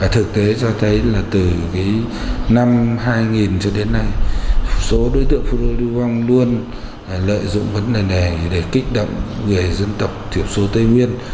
thực tế cho thấy là từ năm hai nghìn cho đến nay số đối tượng phun rô lưu vong luôn lợi dụng vấn đề này để kích động người dân tộc thiểu số tây nguyên